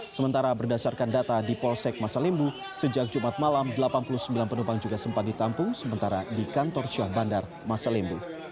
sementara berdasarkan data di polsek masalimbu sejak jumat malam delapan puluh sembilan penumpang juga sempat ditampung sementara di kantor syah bandar masalimbu